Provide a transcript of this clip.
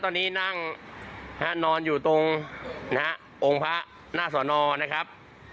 ตอนนี้นั่งนอนอยู่ตรงนะฮะองค์พระหน้าสอนอนะครับ